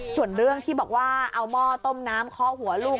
ส่วนเรื่องที่บอกว่าเอาหม้อต้มน้ำเคาะหัวลูก